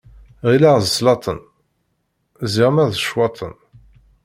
Ɣileɣ d sslaṭen, ziɣemma d ccwaṭen.